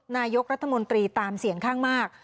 นายกรัฐมนตรีตามเสียงข้างมาก